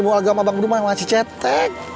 lagian ilmu agama bang bedu mah masih cetek